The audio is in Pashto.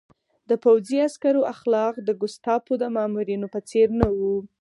د پوځي عسکرو اخلاق د ګوستاپو د مامورینو په څېر نه وو